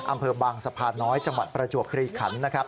อำเภอบางสะพานน้อยจังหวัดประจวบคลีขันนะครับ